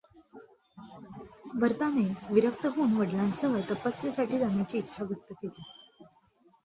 भरताने विरक्त होवून वडिलांसह तपस्येसाठी जाण्याची इच्छा व्यक्त केली.